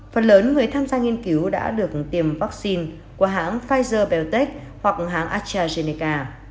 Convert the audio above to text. phần lớn người tham gia nghiên cứu đã được tiêm vaccine của hãng pfizer biontech hoặc hãng astrazeneca